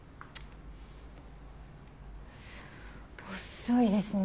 遅いですね。